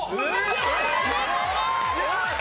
正解です！